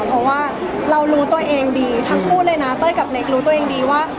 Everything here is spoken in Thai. เพราะว่าเรารู้ตัวเองดีทั้งคู่เลยนะเต้ยกับเล็กรู้ตัวเองดีว่า